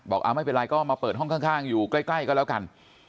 ไม่เป็นไรก็มาเปิดห้องข้างอยู่ใกล้ก็แล้วกัน